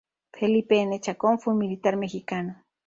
Felipe N. Chacón fue un militar mexicano.